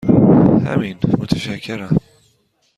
همین، متشکرم.